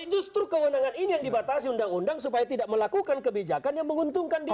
justru kewenangan ini yang dibatasi undang undang supaya tidak melakukan kebijakan yang menguntungkan dia